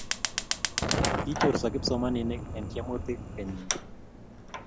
kichoorso kipsomaninik eng' tyemutik kenyini